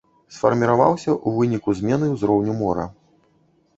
Сфарміраваўся ў выніку змены ўзроўню мора.